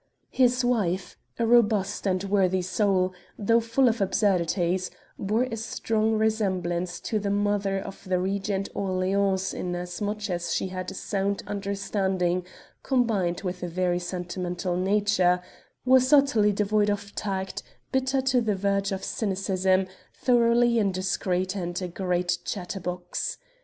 His wife, a robust and worthy soul, though full of absurdities, bore a strong resemblance to the mother of the Regent Orleans in as much as she had a sound understanding combined with a very sentimental nature, was utterly devoid of tact, bitter to the verge of cynicism, thoroughly indiscreet and a great chatterbox.